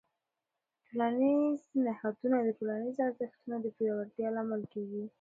ټولنیز نهادونه د ټولنیزو ارزښتونو د پیاوړتیا لامل کېږي.